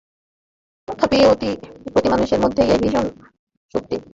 তথাপি প্রতি মানুষের মধ্যেই এই ভীষণ শক্তি।